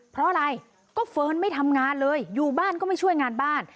เพราะอะไรก็เฟิร์นไม่ทำงานเลยอยู่บ้านก็ไม่ช่วยงานบ้าน